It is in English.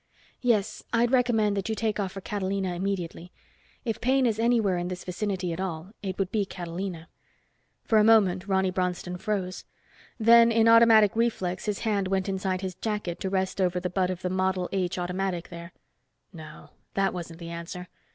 Yes, I'd recommend that you take off for Catalina immediately. If Paine is anywhere in this vicinity at all, it would be Catalina." For a moment, Ronny Bronston froze. Then in automatic reflex his hand went inside his jacket to rest over the butt of the Model H automatic there. No, that wasn't the answer.